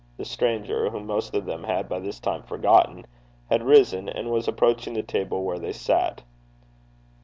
The stranger, whom most of them had by this time forgotten, had risen, and was approaching the table where they sat.